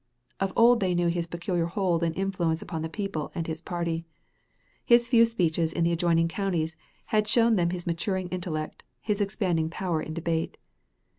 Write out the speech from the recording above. Of old they knew his peculiar hold and influence upon the people and his party. His few speeches in the adjoining counties had shown them his maturing intellect, his expanding power in debate.